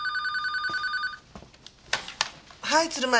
はい鶴丸。